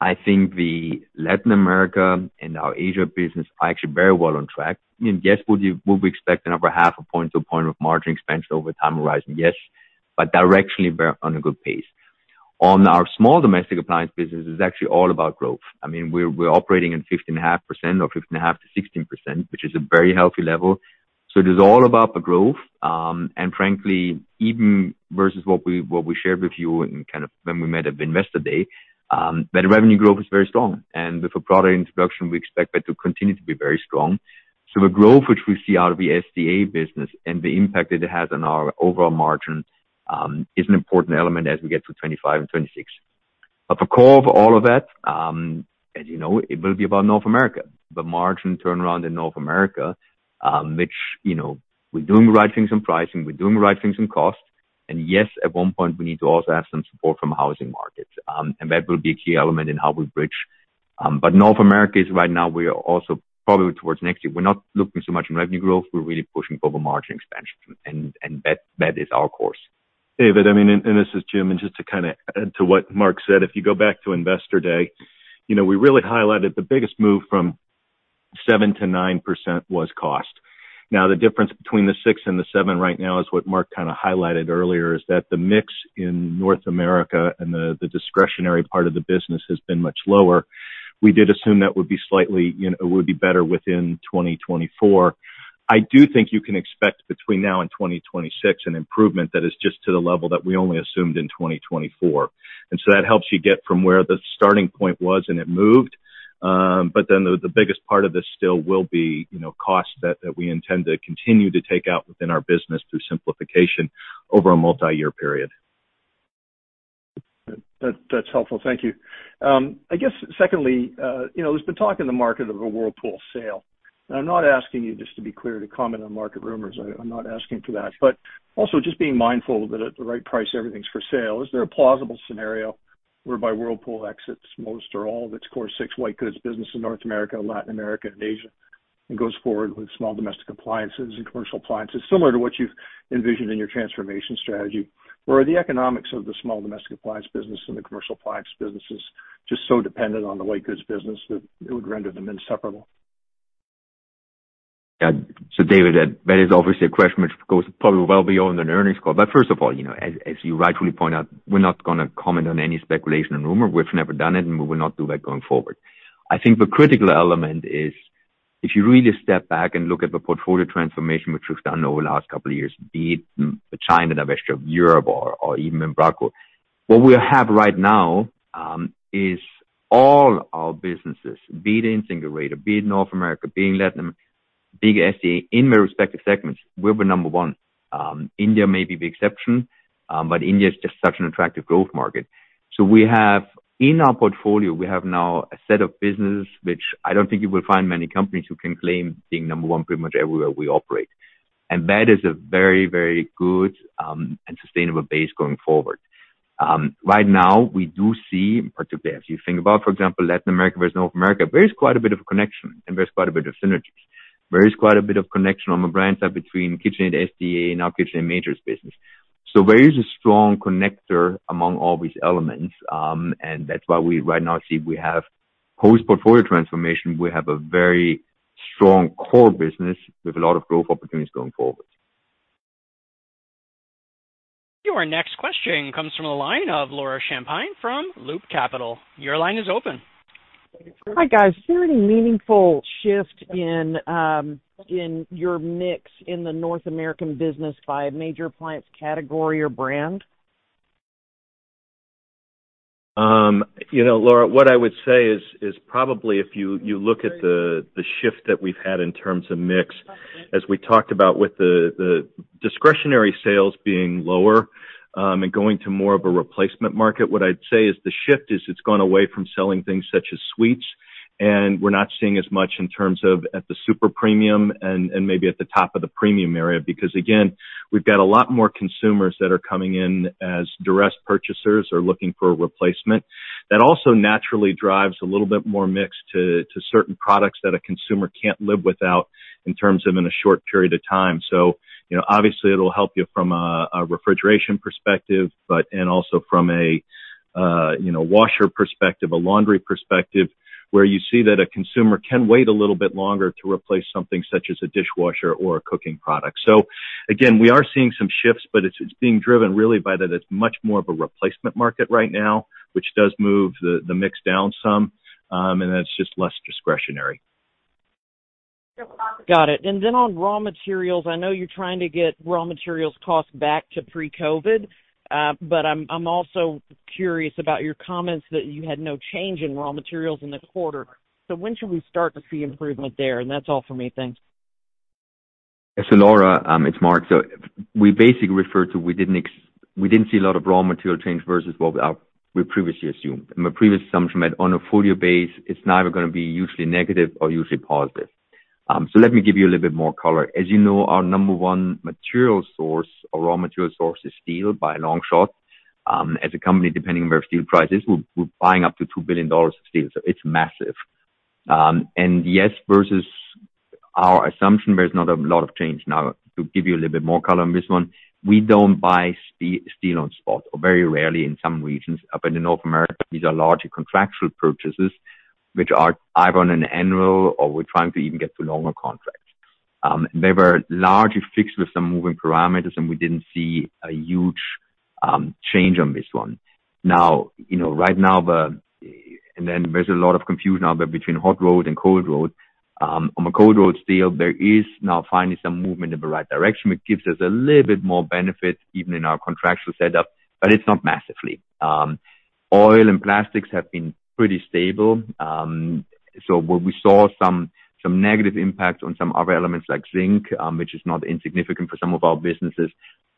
I think the Latin America and our Asia business are actually very well on track. I mean, yes, we'll be expecting over 0.5 point-1 point of margin expansion over time horizon. Yes, but directionally on a good pace. On our small domestic appliance business, it's actually all about growth. I mean, we're operating at 15.5% or 15.5%-16%, which is a very healthy level. So it is all about the growth. And frankly, even versus what we shared with you in kind of when we met at Investor Day, that revenue growth is very strong. With the product introduction, we expect that to continue to be very strong. So the growth, which we see out of the SDA business and the impact that it has on our overall margin is an important element as we get to 2025 and 2026. But the core of all of that, as you know, it will be about North America, the margin turnaround in North America, which we're doing the right things in pricing. We're doing the right things in cost. And yes, at one point, we need to also have some support from housing markets. And that will be a key element in how we bridge. But North America is right now, we are also probably towards next year, we're not looking so much in revenue growth. We're really pushing for the margin expansion. And that is our course. David, I mean, and this is Jim. And just to kind of add to what Marc said, if you go back to Investor Day, we really highlighted the biggest move from 7%-9% was cost. Now, the difference between the 6% and the 7% right now is what Marc kind of highlighted earlier, is that the mix in North America and the discretionary part of the business has been much lower. We did assume that would be slightly better within 2024. I do think you can expect between now and 2026 an improvement that is just to the level that we only assumed in 2024. And so that helps you get from where the starting point was, and it moved. But then the biggest part of this still will be costs that we intend to continue to take out within our business through simplification over a multi-year period. That's helpful. Thank you. I guess, secondly, there's been talk in the market of a Whirlpool sale. And I'm not asking you, just to be clear, to comment on market rumors. I'm not asking for that. But also, just being mindful that at the right price, everything's for sale. Is there a plausible scenario whereby Whirlpool exits most or all of its Core sectors white goods business in North America, Latin America, and Asia and goes forward with small domestic appliances and commercial appliances similar to what you've envisioned in your transformation strategy? Or are the economics of the small domestic appliance business and the commercial appliance businesses just so dependent on the white goods business that it would render them inseparable? Yeah. So David, that is obviously a question which goes probably well beyond an earnings call. But first of all, as you rightfully point out, we're not going to comment on any speculation and rumor. We've never done it, and we will not do that going forward. I think the critical element is if you really step back and look at the portfolio transformation, which we've done over the last couple of years, be it the China divestiture of Europe or even in Brastemp, what we have right now is all our businesses, be it in Singapore, be it North America, be it Latin, be it SDA in their respective segments, we're number one. India may be the exception, but India is just such an attractive growth market. So in our portfolio, we have now a set of businesses which I don't think you will find many companies who can claim being number one pretty much everywhere we operate. And that is a very, very good and sustainable base going forward. Right now, we do see, particularly as you think about, for example, Latin America versus North America, there is quite a bit of a connection, and there's quite a bit of synergies. There is quite a bit of connection on the brand side between KitchenAid SDA and our KitchenAid majors business. So there is a strong connector among all these elements. And that's why we right now see we have post-portfolio transformation. We have a very strong core business with a lot of growth opportunities going forward. Your next question comes from the line of Laura Champine from Loop Capital. Your line is open. Hi, guys. Is there any meaningful shift in your mix in the North American business by major appliance category or brand? Laura, what I would say is probably if you look at the shift that we've had in terms of mix, as we talked about with the discretionary sales being lower and going to more of a replacement market, what I'd say is the shift is it's gone away from selling things such as suites. And we're not seeing as much in terms of at the super premium and maybe at the top of the premium area because, again, we've got a lot more consumers that are coming in as distressed purchasers or looking for a replacement. That also naturally drives a little bit more mix to certain products that a consumer can't live without in terms of in a short period of time. So obviously, it'll help you from a refrigeration perspective and also from a washer perspective, a laundry perspective, where you see that a consumer can wait a little bit longer to replace something such as a dishwasher or a cooking product. So again, we are seeing some shifts, but it's being driven really by that it's much more of a replacement market right now, which does move the mix down some, and that's just less discretionary. Got it. And then on raw materials, I know you're trying to get raw materials cost back to pre-COVID, but I'm also curious about your comments that you had no change in raw materials in the quarter. So when should we start to see improvement there? And that's all for me. Thanks. So Laura, it's Marc. So we basically refer to we didn't see a lot of raw material change versus what we previously assumed. And my previous assumption that on a full-year base, it's neither going to be usually negative or usually positive. So let me give you a little bit more color. As you know, our number one material source or raw material source is steel by a long shot. As a company, depending on where steel price is, we're buying up to $2 billion of steel. So it's massive. And yes, versus our assumption, there's not a lot of change. Now, to give you a little bit more color on this one, we don't buy steel on spot or very rarely in some regions. Up in North America, these are larger contractual purchases, which are either on an annual or we're trying to even get to longer contracts. They were largely fixed with some moving parameters, and we didn't see a huge change on this one. Now, right now, and then there's a lot of confusion out there between hot-rolled and cold-rolled. On the cold-rolled steel, there is now finally some movement in the right direction, which gives us a little bit more benefit even in our contractual setup, but it's not massively. Oil and plastics have been pretty stable. So we saw some negative impact on some other elements like zinc, which is not insignificant for some of our businesses.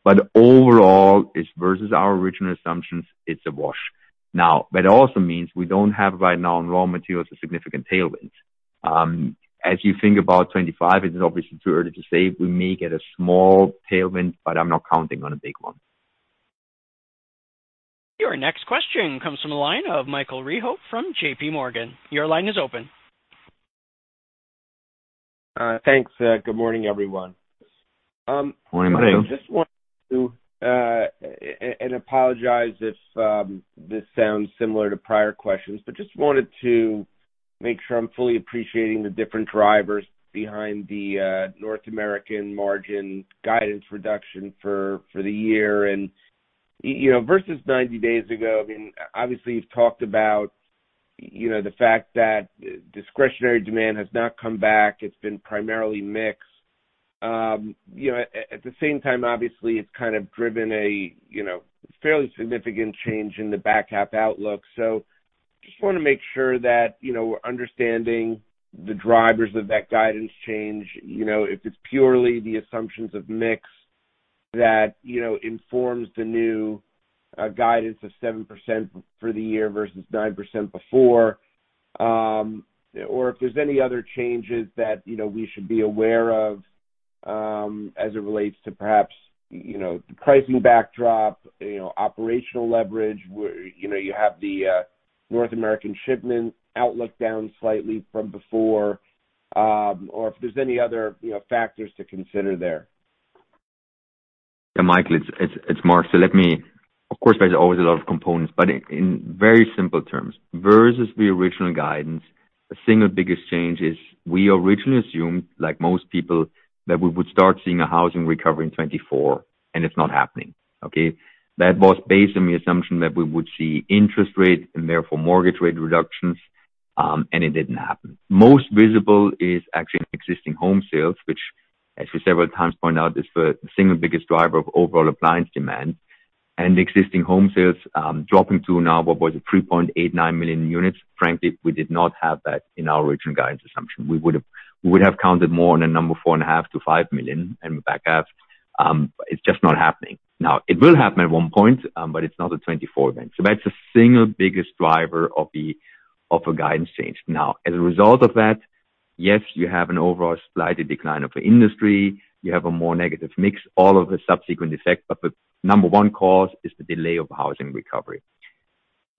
But overall, versus our original assumptions, it's a wash. Now, that also means we don't have right now on raw materials a significant tailwind. As you think about 2025, it is obviously too early to say. We may get a small tailwind, but I'm not counting on a big one. Your next question comes from the line of Michael Rehaut from J.P. Morgan. Your line is open. Thanks. Good morning, everyone. Morning, Mike. I just want to apologize if this sounds similar to prior questions, but just wanted to make sure I'm fully appreciating the different drivers behind the North American margin guidance reduction for the year. Versus 90 days ago, I mean, obviously, you've talked about the fact that discretionary demand has not come back. It's been primarily mixed. At the same time, obviously, it's kind of driven a fairly significant change in the back half outlook. Just want to make sure that we're understanding the drivers of that guidance change. If it's purely the assumptions of mix that informs the new guidance of 7% for the year versus 9% before, or if there's any other changes that we should be aware of as it relates to perhaps the pricing backdrop, operational leverage, where you have the North American shipment outlook down slightly from before, or if there's any other factors to consider there? Yeah, Mike, it's Marc. So let me, of course, there's always a lot of components, but in very simple terms, versus the original guidance, the single biggest change is we originally assumed, like most people, that we would start seeing a housing recovery in 2024, and it's not happening. Okay? That was based on the assumption that we would see interest rate and therefore mortgage rate reductions, and it didn't happen. Most visible is actually existing home sales, which, as we several times point out, is the single biggest driver of overall appliance demand. And existing home sales dropping to now, what was it, 3.89 million units. Frankly, we did not have that in our original guidance assumption. We would have counted more on a number 4.5-5 million and back half. It's just not happening. Now, it will happen at one point, but it's not a 2024 event. So that's the single biggest driver of a guidance change. Now, as a result of that, yes, you have an overall slight decline of the industry. You have a more negative mix, all of the subsequent effect, but the number one cause is the delay of housing recovery.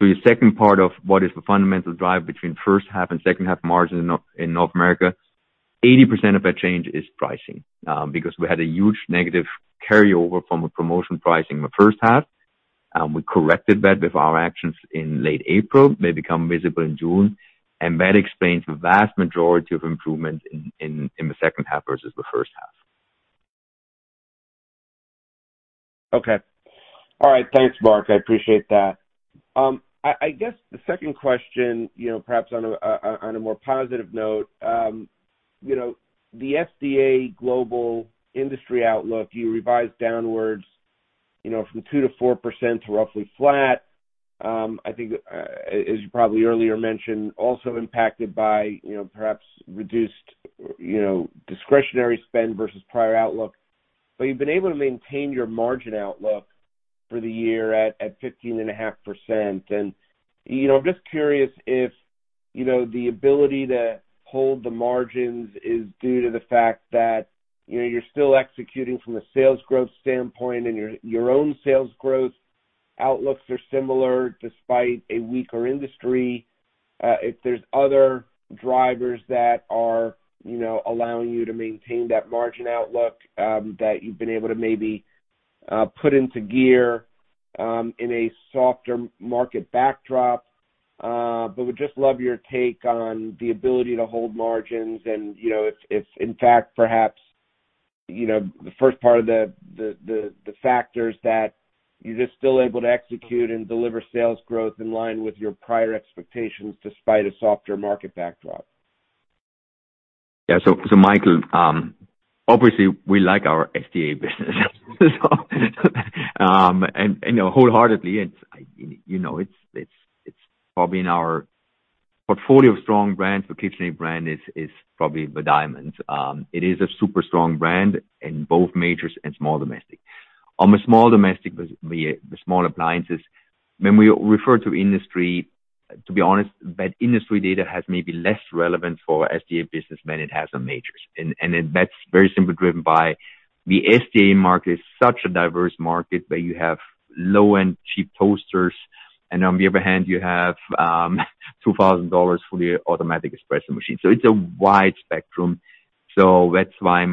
So the second part of what is the fundamental drive between first half and second half margin in North America, 80% of that change is pricing because we had a huge negative carryover from a promotion pricing in the first half. We corrected that with our actions in late April. May become visible in June. And that explains the vast majority of improvement in the second half versus the first half. Okay. All right. Thanks, Marc. I appreciate that. I guess the second question, perhaps on a more positive note, the SDA Global industry outlook, you revised downwards from 2%-4% to roughly flat, I think, as you probably earlier mentioned, also impacted by perhaps reduced discretionary spend versus prior outlook. But you've been able to maintain your margin outlook for the year at 15.5%. And I'm just curious if the ability to hold the margins is due to the fact that you're still executing from a sales growth standpoint and your own sales growth outlooks are similar despite a weaker industry. If there's other drivers that are allowing you to maintain that margin outlook that you've been able to maybe put into gear in a softer market backdrop. We'd just love your take on the ability to hold margins and if, in fact, perhaps the first part of the factors that you're just still able to execute and deliver sales growth in line with your prior expectations despite a softer market backdrop. Yeah. So Michael, obviously, we like our SDA business. And wholeheartedly, it's probably in our portfolio of strong brands, the KitchenAid brand is probably the diamond. It is a super strong brand in both majors and small domestic. On the small domestic, the small appliances, when we refer to industry, to be honest, that industry data has maybe less relevance for SDA business than it has on majors. And that's very simply driven by the SDA market is such a diverse market where you have low-end cheap toasters. And on the other hand, you have $2,000 for the automatic espresso machine. So it's a wide spectrum. So that's why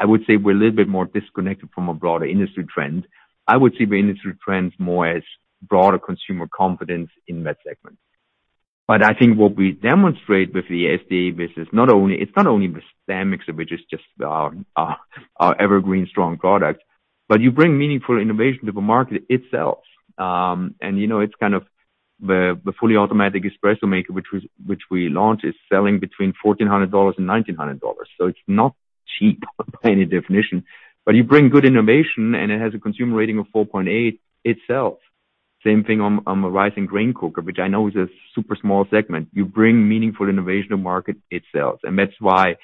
I would say we're a little bit more disconnected from a broader industry trend. I would see the industry trends more as broader consumer confidence in that segment. But I think what we demonstrate with the SDA business, it's not only the price mix of which is just our evergreen strong product, but you bring meaningful innovation to the market itself. And it's kind of the fully automatic espresso maker, which we launched, is selling between $1,400-$1,900. So it's not cheap by any definition. But you bring good innovation, and it has a consumer rating of 4.8 itself. Same thing on the rice and grain cooker, which I know is a super small segment. You bring meaningful innovation to market itself. And that's why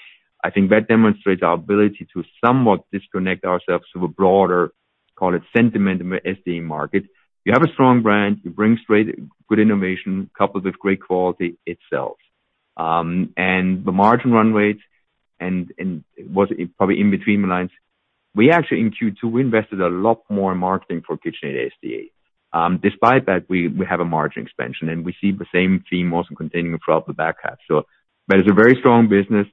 I think that demonstrates our ability to somewhat disconnect ourselves to a broader, call it, sentiment in the SDA market. You have a strong brand. You bring straight good innovation coupled with great quality itself. And the margin run rate was probably in between the lines. We actually, in Q2, we invested a lot more in marketing for KitchenAid SDA. Despite that, we have a margin expansion, and we see the same theme also continuing throughout the back half. So that is a very strong business.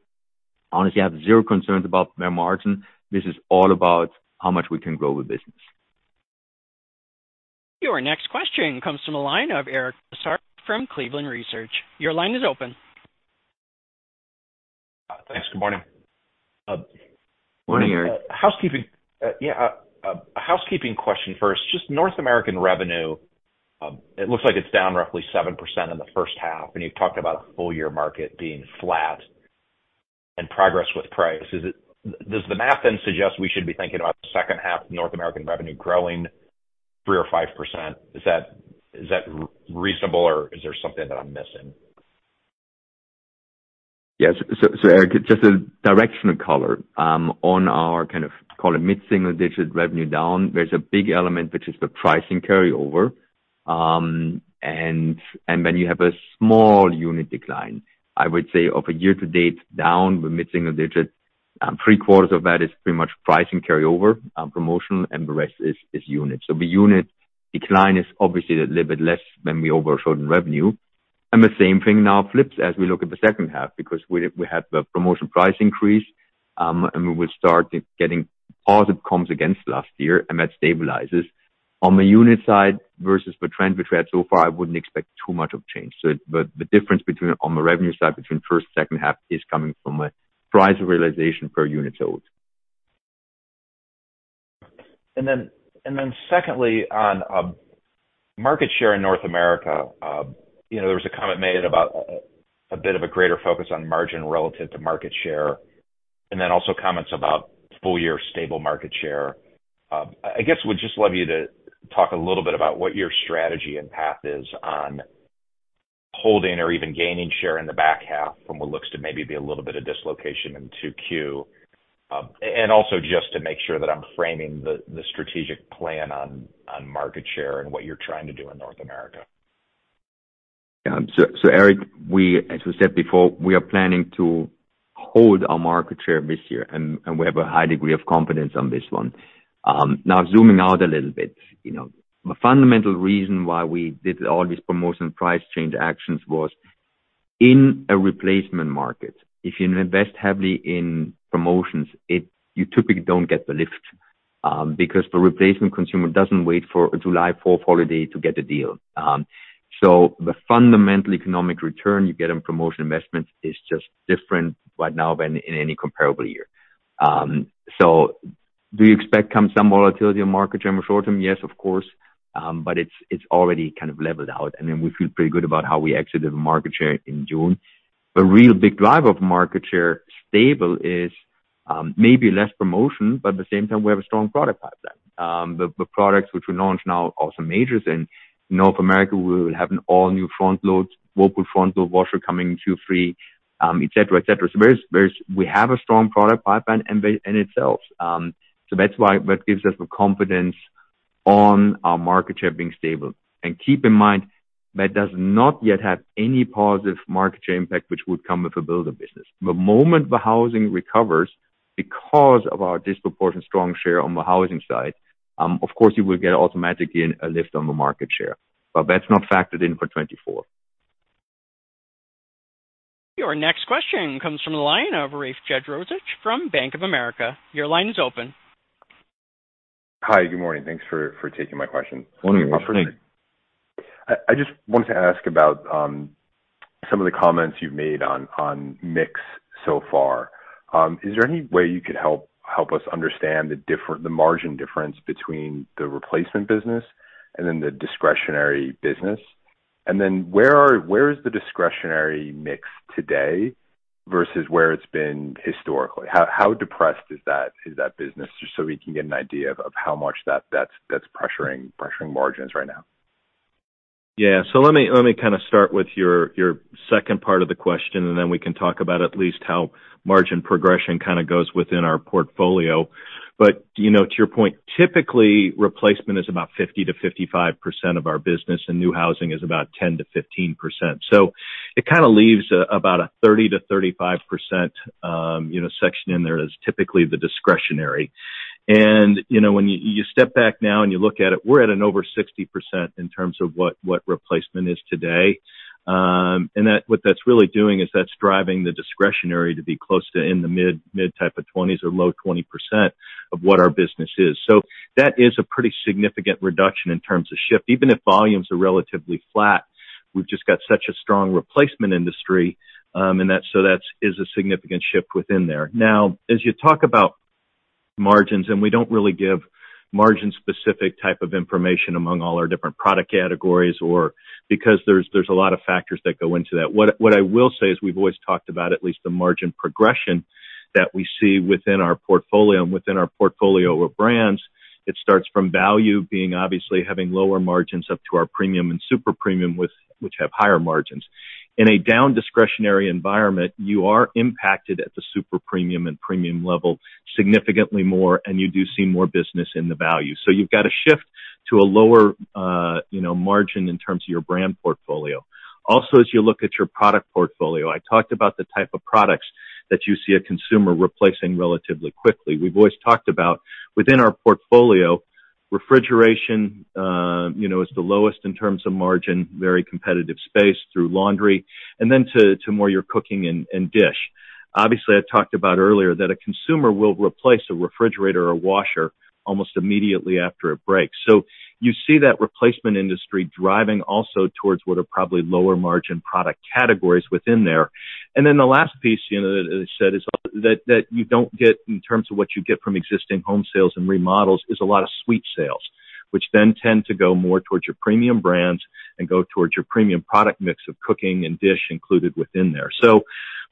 Honestly, I have zero concerns about their margin. This is all about how much we can grow the business. Your next question comes from a line of Eric Bosshard from Cleveland Research. Your line is open. Thanks. Good morning. Morning, Eric. Housekeeping. Yeah. Housekeeping question first. Just North American revenue, it looks like it's down roughly 7% in the first half. And you've talked about a full-year market being flat and progress with price. Does the math then suggest we should be thinking about the second half of North American revenue growing 3% or 5%? Is that reasonable, or is there something that I'm missing? Yes. So, Eric, just a bit of color. On our kind of call it mid-single-digit revenue down, there's a big element, which is the pricing carryover. And then you have a small unit decline. I would say of year-to-date, down mid-single digit, three-quarters of that is pretty much pricing carryover, promotional, and the rest is unit. So the unit decline is obviously a little bit less than we overshot in revenue. And the same thing now flips as we look at the second half because we have the promotion price increase, and we will start getting positive comps against last year, and that stabilizes. On the unit side versus the trend which we had so far, I wouldn't expect too much of a change. So the difference on the revenue side between first and second half is coming from a price realization per unit sold. Secondly, on market share in North America, there was a comment made about a bit of a greater focus on margin relative to market share, and then also comments about full-year stable market share. I guess we'd just love you to talk a little bit about what your strategy and path is on holding or even gaining share in the back half from what looks to maybe be a little bit of dislocation in Q2. Also just to make sure that I'm framing the strategic plan on market share and what you're trying to do in North America. Yeah. So Eric, as we said before, we are planning to hold our market share this year, and we have a high degree of confidence on this one. Now, zooming out a little bit, the fundamental reason why we did all these promotion price change actions was in a replacement market. If you invest heavily in promotions, you typically don't get the lift because the replacement consumer doesn't wait for a July 4th holiday to get a deal. So the fundamental economic return you get on promotion investments is just different right now than in any comparable year. So do you expect some volatility in market share in the short term? Yes, of course. But it's already kind of leveled out. And then we feel pretty good about how we exited the market share in June. A real big drive of market share stable is maybe less promotion, but at the same time, we have a strong product pipeline. The products which we launched now are also majors. In North America, we will have an all-new front-load, top-load front-load washer coming Q3, etc., etc. So we have a strong product pipeline in itself. So that's why that gives us the confidence on our market share being stable. And keep in mind that does not yet have any positive market share impact, which would come with a built-in business. The moment the housing recovers because of our disproportionate strong share on the housing side, of course, you will get automatically a lift on the market share. But that's not factored in for 2024. Your next question comes from the line of Rafe Jadrosich from Bank of America. Your line is open. Hi. Good morning. Thanks for taking my question. Morning, Rafe. I just wanted to ask about some of the comments you've made on mix so far. Is there any way you could help us understand the margin difference between the replacement business and then the discretionary business? And then where is the discretionary mix today versus where it's been historically? How depressed is that business? Just so we can get an idea of how much that's pressuring margins right now. Yeah. So let me kind of start with your second part of the question, and then we can talk about at least how margin progression kind of goes within our portfolio. But to your point, typically, replacement is about 50%-55% of our business, and new housing is about 10%-15%. So it kind of leaves about a 30%-35% section in there that is typically the discretionary. And when you step back now and you look at it, we're at an over 60% in terms of what replacement is today. And what that's really doing is that's driving the discretionary to be close to in the mid-type of 20s or low 20% of what our business is. So that is a pretty significant reduction in terms of shift. Even if volumes are relatively flat, we've just got such a strong replacement industry. And so that is a significant shift within there. Now, as you talk about margins, and we don't really give margin-specific type of information among all our different product categories or because there's a lot of factors that go into that. What I will say is we've always talked about at least the margin progression that we see within our portfolio. And within our portfolio of brands, it starts from value being obviously having lower margins up to our premium and super premium, which have higher margins. In a down discretionary environment, you are impacted at the super premium and premium level significantly more, and you do see more business in the value. So you've got to shift to a lower margin in terms of your brand portfolio. Also, as you look at your product portfolio, I talked about the type of products that you see a consumer replacing relatively quickly. We've always talked about within our portfolio, refrigeration is the lowest in terms of margin, very competitive space through laundry, and then to more your cooking and dish. Obviously, I talked about earlier that a consumer will replace a refrigerator or a washer almost immediately after a break. So you see that replacement industry driving also towards what are probably lower margin product categories within there. And then the last piece that I said is that you don't get in terms of what you get from existing home sales and remodels is a lot of suite sales, which then tend to go more towards your premium brands and go towards your premium product mix of cooking and dish included within there.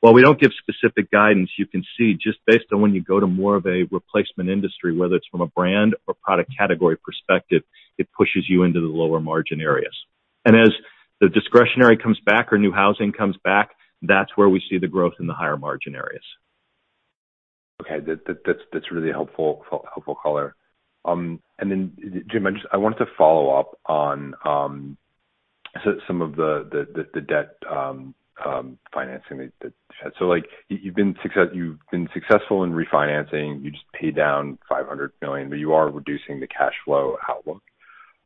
While we don't give specific guidance, you can see just based on when you go to more of a replacement industry, whether it's from a brand or product category perspective, it pushes you into the lower margin areas. As the discretionary comes back or new housing comes back, that's where we see the growth in the higher margin areas. Okay. That's really helpful color. And then, Jim, I wanted to follow up on some of the debt financing that you've had. So you've been successful in refinancing. You just paid down $500 million, but you are reducing the cash flow outlook.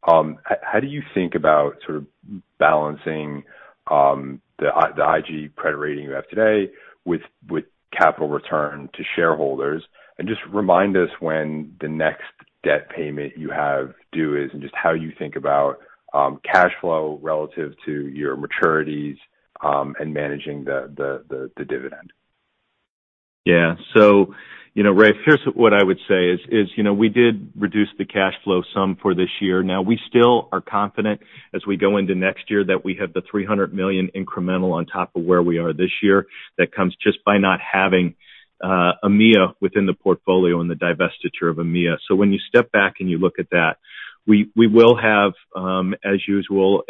How do you think about sort of balancing the IG credit rating you have today with capital return to shareholders? And just remind us when the next debt payment you have due is and just how you think about cash flow relative to your maturities and managing the dividend. Yeah. So Rafe, here's what I would say is we did reduce the cash flow some for this year. Now, we still are confident as we go into next year that we have the $300 million incremental on top of where we are this year that comes just by not having EMEA within the portfolio and the divestiture of EMEA. So when you step back and you look at that, we will have, as usual,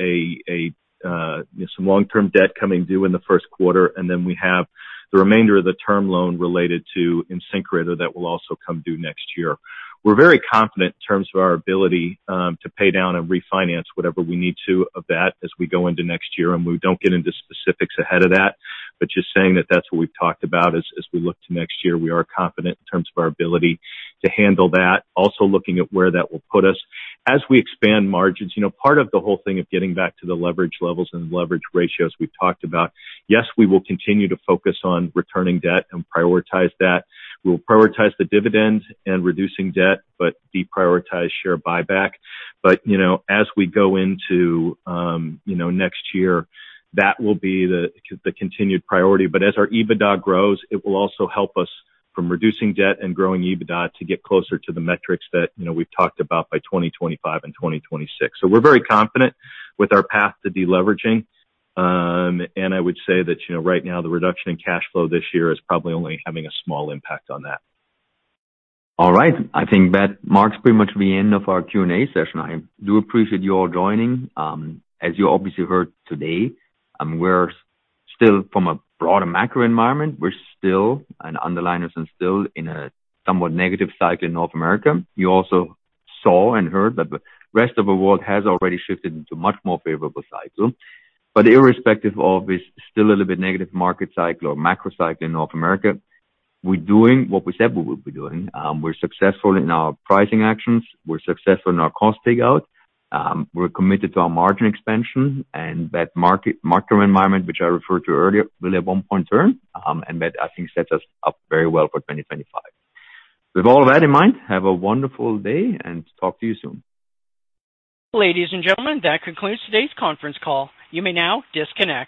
some long-term debt coming due in the first quarter. And then we have the remainder of the term loan related to InSinkErator that will also come due next year. We're very confident in terms of our ability to pay down and refinance whatever we need to of that as we go into next year. And we don't get into specifics ahead of that. But just saying that that's what we've talked about as we look to next year. We are confident in terms of our ability to handle that, also looking at where that will put us as we expand margins. Part of the whole thing of getting back to the leverage levels and leverage ratios we've talked about, yes, we will continue to focus on returning debt and prioritize that. We will prioritize the dividend and reducing debt, but deprioritize share buyback. But as we go into next year, that will be the continued priority. But as our EBITDA grows, it will also help us from reducing debt and growing EBITDA to get closer to the metrics that we've talked about by 2025 and 2026. So we're very confident with our path to deleveraging. I would say that right now, the reduction in cash flow this year is probably only having a small impact on that. All right. I think that marks pretty much the end of our Q&A session. I do appreciate you all joining. As you obviously heard today, we're still facing a broader macro environment. We're still, and underlying trends are still, in a somewhat negative cycle in North America. You also saw and heard that the rest of the world has already shifted into a much more favorable cycle. But irrespective of this still a little bit negative market cycle or macro cycle in North America, we're doing what we said we will be doing. We're successful in our pricing actions. We're successful in our cost takeout. We're committed to our margin expansion. And that macro environment, which I referred to earlier, will at one point turn. And that, I think, sets us up very well for 2025. With all of that in mind, have a wonderful day and talk to you soon. Ladies and gentlemen, that concludes today's conference call. You may now disconnect.